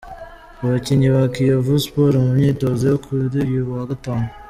Abakinnyi ba Kiyovu Sport mu myitozo yo kuri uyu wa Gatanu.